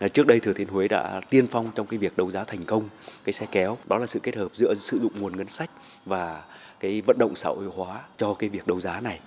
trước đây thừa thiên huế đã tiên phong trong cái việc đấu giá thành công cái xe kéo đó là sự kết hợp giữa sử dụng nguồn ngân sách và cái vận động xã hội hóa cho cái việc đấu giá này